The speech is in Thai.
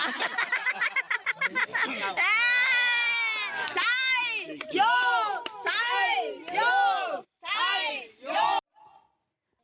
ใช่อยู่ใช่อยู่ใช่